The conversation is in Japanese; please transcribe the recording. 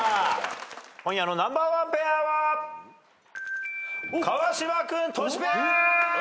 今夜のナンバーワンペアは川島君トシペア！